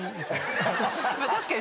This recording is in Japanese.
確かに。